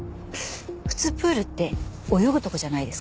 普通プールって泳ぐとこじゃないですか？